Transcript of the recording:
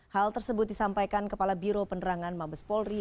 hal tersebut disampaikan kepala biro penerangan mabes polri